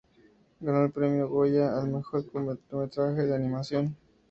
Ganó el Premio Goya al mejor cortometraje de animación.